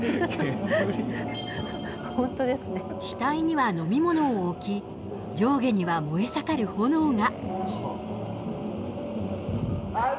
額には飲み物を置き上下には燃え盛る炎が。